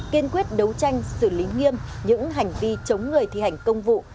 kiên quyết đấu tranh xử lý nghiêm những hành vi chống người thi hành công vụ